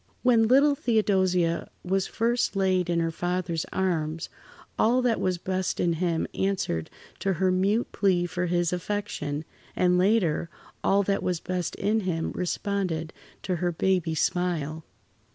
When little Theodosia was first laid in her father's arms, all that was best in him answered to her mute plea for his affection, and later, all that was best in him responded to her baby smile.